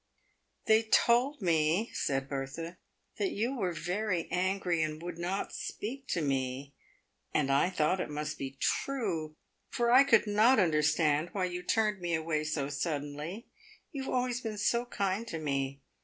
" They told me," said Bertha, " that you were very angry, and would not speak to me. And I thought it must be true, for I could not understand why you turned me away so suddenly. You have always been so kind to me.